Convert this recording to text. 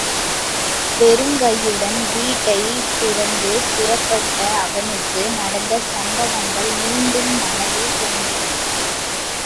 வெறுங்கையுடன் வீட்டைத் துறந்து புறப்பட்ட அவனுக்கு நடந்த சம்பவங்கள் மீண்டும் மனத்தில் தோன்றின.